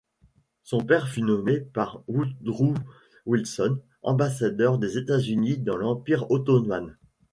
Son père fut nommé par Woodrow Wilson ambassadeur des États-Unis dans l'Empire ottoman.